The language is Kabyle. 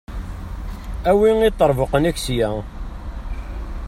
Awi iṭerbuqen-ik sya.